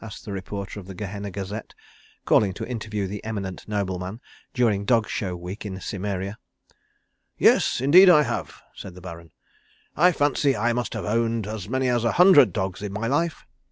asked the reporter of the Gehenna Gazette, calling to interview the eminent nobleman during Dog Show Week in Cimmeria. "Yes, indeed I have," said the Baron, "I fancy I must have owned as many as a hundred dogs in my life.